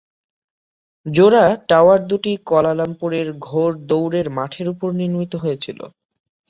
জোড়া টাওয়ার দুটি কুয়ালালামপুরের ঘোড় দৌড়ের মাঠের উপর নির্মিত হয়েছিল।